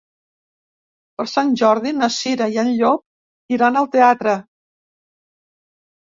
Per Sant Jordi na Cira i en Llop iran al teatre.